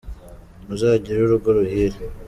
Muzagire urugo ruhire.